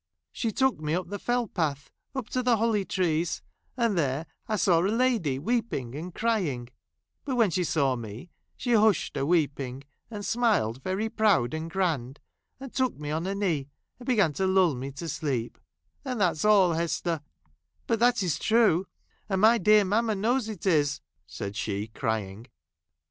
She took me up the Fell path, up to the holly trees ; and there I^ saw a lady weeping and crying j but when she saw me, she hushed her weeping, and smiled veiy proud and grand, and took me on her knee, ; and began to lull me to sleep ; and that 's all, Hester — but that is true; and my dear mamma knows it is," said she, crying.